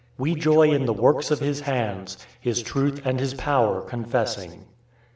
We joy in the works of His hands, His truth and His power confessing.